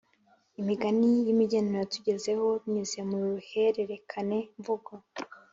Imigani y’imigenurano yatugezeho binyuze mu ruhererekane mvugo